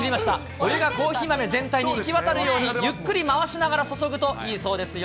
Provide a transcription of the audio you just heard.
お湯がコーヒー豆全体に行き渡るように、ゆっくり回しながら注ぐといいそうですよ。